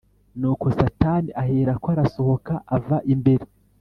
Nuko Satani aherako arasohoka ava imbere